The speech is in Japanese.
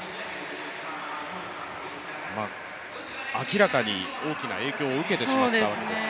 明らかに大きな影響を受けてしまったわけですね。